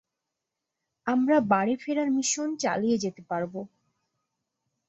আমরা বাড়ির ফেরার মিশন চালিয়ে যেতে পারবো।